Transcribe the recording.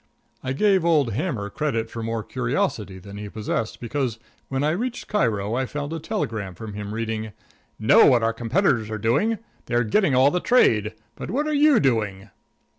I gave old Hammer credit for more curiosity than he possessed, because when I reached Cairo I found a telegram from him reading: "_Know what our competitors are doing: they are getting all the trade. But what are you doing?